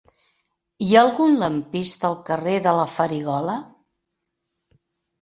Hi ha algun lampista al carrer de la Farigola?